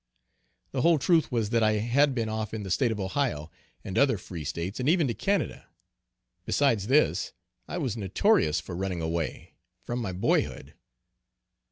The whole truth was that I had been off in the state of Ohio, and other free states, and even to Canada; besides this I was notorious for running away, from my boyhood.